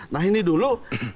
nah ini dulu